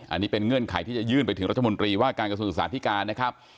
อันนี้เป็นเงื่อนไขที่จะยื่นไปถึงรัฐมนตรีว่าการกระทรวงศึกษาธิการนะครับ